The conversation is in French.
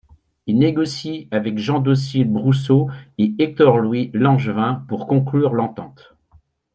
Il négocie avec Jean-Docile Brousseau et Hector-Louis Langevin pour conclure l'entente.